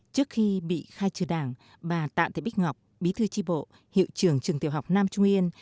trước khi bị khai trừ đảng bà tạ thị bích ngọc bí thư tri bộ hiệu trưởng trường tiểu học nam trung yên